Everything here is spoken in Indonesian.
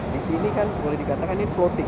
di sini kan boleh dikatakan ini floating